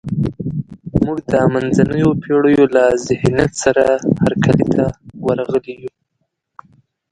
موږ د منځنیو پېړیو له ذهنیت سره هرکلي ته ورغلي یو.